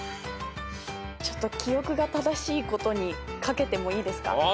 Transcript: ちょっと記憶が正しいことにかけてもいいですか？